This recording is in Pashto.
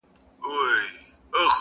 o ستا به هم بلا ګردان سمه نیازبیني,